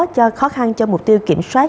cho khó khăn cho mục tiêu kiểm soát